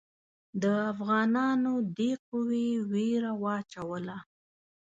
د افغانانو دې قوې وېره واچوله.